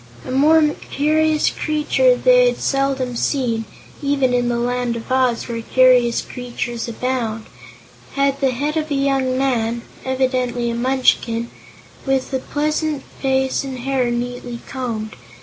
A more curious creature they had seldom seen, even in the Land of Oz, where curious creatures abound. It had the head of a young man evidently a Munchkin with a pleasant face and hair neatly combed.